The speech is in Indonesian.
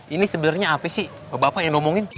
ini sebenarnya apa sih bapak yang ngomongin